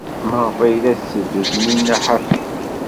Maɣef ay la tetteddu Taninna ḥafi?